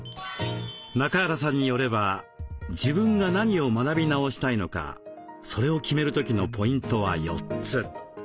中原さんによれば自分が何を学び直したいのかそれを決める時のポイントは４つ。